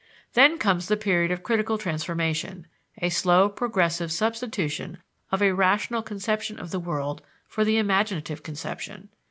Then comes the period of critical transformation: a slow, progressive substitution of a rational conception of the world for the imaginative conception.